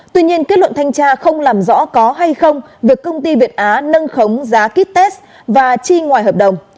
tuy nhiên kết luận thanh tra không làm rõ có hay không việc công ty việt á nâng khống giá kýt test và chi ngoài hợp đồng